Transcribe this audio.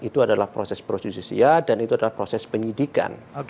itu adalah proses prosesusia dan itu adalah proses penyelidikan